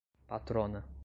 patrona